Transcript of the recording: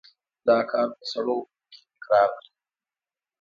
دا کار په سړو اوبو کې تکرار کړئ.